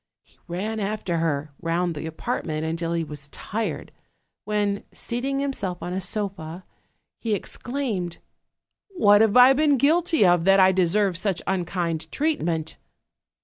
He ran after her round the apartment until he was tired, when, seating himself on a sofa, he exclaimed: "What have I been guilty of that I deserve such unkind treat ment?"